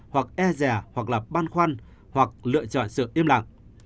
hoặc e rẻ hoặc là ban khoăn hoặc lựa chọn sự im lặng